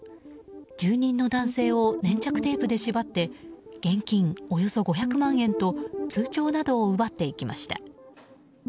住人の男性を粘着テープで縛って現金およそ５００万円と通帳などを奪っていきました。